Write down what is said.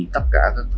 báo đã đặt